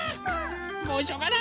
もうしょうがない。